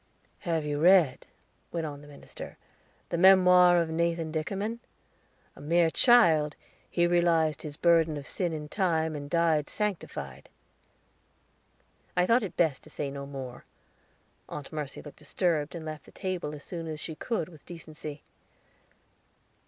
"Have you read," went on the minister, "the memoir of Nathan Dickerman? A mere child, he realized his burden of sin in time, and died sanctified." I thought it best to say no more. Aunt Mercy looked disturbed, and left the table as soon as she could with decency.